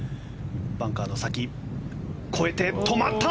バンカーの先越えて、止まった！